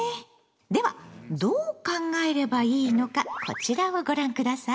ではどう考えればいいのかこちらをご覧下さい。